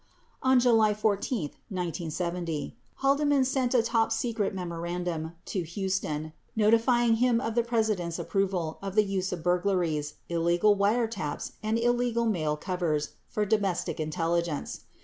20 On July 14, 1970, Haldeman sent a top secret memorandum to Huston, notifying him of the President's approval of the use of bur glaries, illegal wiretaps and illegal mail covers for domestic intelli gence.